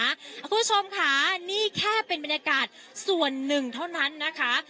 คุณผู้ชมค่ะนี่แค่เป็นบรรยากาศส่วนหนึ่งเท่านั้นนะคะ